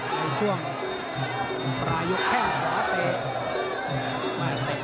ในช่วงปลายกแข้งขวาเตะ